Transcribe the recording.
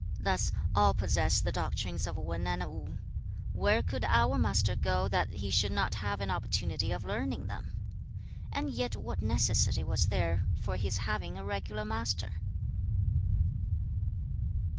Thus, all possess the doctrines of Wan and Wu. Where could our Master go that he should not have an opportunity of learning them? And yet what necessity was there for his having a regular master?'